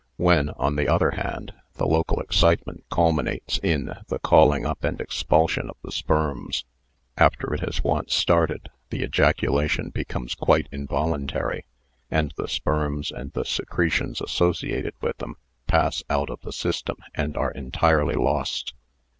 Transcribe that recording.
When, on the other hand, the local ex citement culminates in the calling up and expulsion of the sperms, after it has once started the ejaculation becomes quite involuntary and the sperms and the secretions associated with them pass out of the system and are entirely lost.